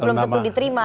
belum tentu diterima